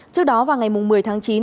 trước đó vào ngày một mươi tháng chín